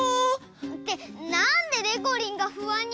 ってなんででこりんがふあんになってるのさ！